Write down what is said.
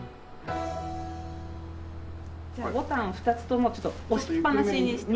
じゃあボタン２つとも押しっぱなしに。